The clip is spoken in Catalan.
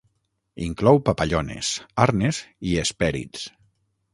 Inclou papallones, arnes i hespèrids.